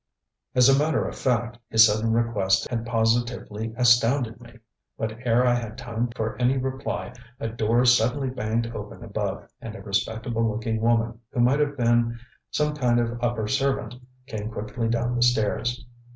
ŌĆØ As a matter of fact, his sudden request had positively astounded me, but ere I had time for any reply a door suddenly banged open above and a respectable looking woman, who might have been some kind of upper servant, came quickly down the stairs.